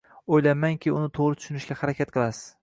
O`ylaymanki, uni to`g`ri tushunishga harakat qilasiz